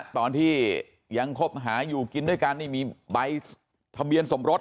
ตอนที่ยังคบหาอยู่กินด้วยกันนี่มีใบทะเบียนสมรส